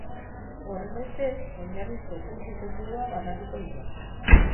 Horrenbestez, oinarrizko puntu kopurua banatuko dira.